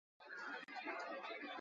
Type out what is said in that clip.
ٻآ رميݩ با اوهيݩ۔